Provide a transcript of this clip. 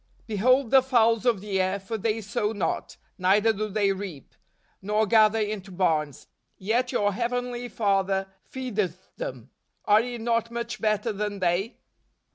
" Behold the fowls of the air: for they sow not , neither do they reap , nor gather into barns; yet your Heavenly Father fcedeth them. Are ye not much better than they